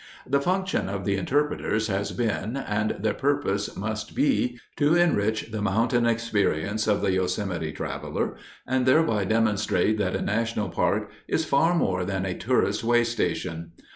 The function of the interpreters has been, and their purpose must be, to enrich the mountain experience of the Yosemite traveler and thereby demonstrate that a national park is far more than a tourist's way station.